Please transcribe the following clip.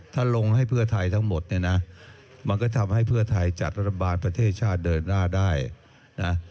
ถ้าลงให้เพื่อไทยทั้งหมดเนี่ยนะมันก็ทำให้เพื่อไทยจัดรัฐบาลประเทศชาติเดินหน้าได้นะ